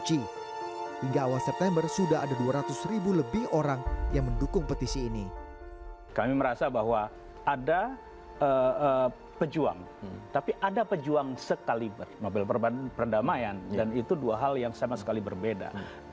itu dua hal yang sama sekali berbeda